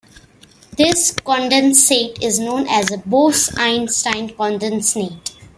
This condensate is known as a Bose-Einstein condensate.